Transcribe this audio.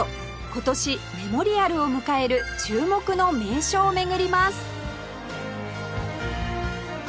今年メモリアルを迎える注目の名所を巡ります